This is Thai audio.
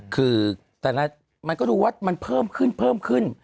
คือแต่ละมันก็ดูว่ามันเพิ่มขึ้นเพิ่มขึ้น